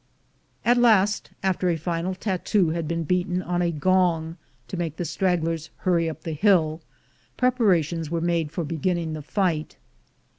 At last, after a final tattoo had been beaten on a gong to make the stragglers hurry up the hill, prep arations were made for beginning the fight.